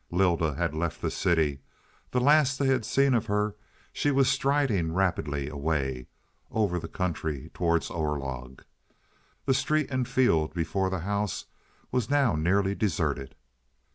Lylda had left the city; the last they had seen of her, she was striding rapidly away, over the country towards Orlog. The street and field before the house now was nearly deserted.